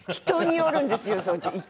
人によるんですよ村長。